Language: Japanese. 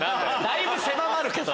だいぶ狭まるけど。